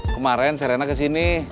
kemaren serena kesini